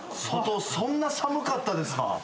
外そんな寒かったですか？